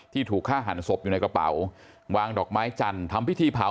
ถูกฆ่าหันศพอยู่ในกระเป๋าวางดอกไม้จันทร์ทำพิธีเผา